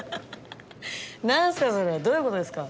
何すかそれどういうことですか？